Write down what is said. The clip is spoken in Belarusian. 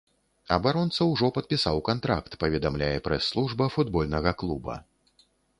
Абаронца ўжо падпісаў кантракт, паведамляе прэс-служба футбольнага клуба.